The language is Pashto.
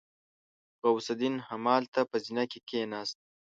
غوث الدين همالته په زينه کې کېناست.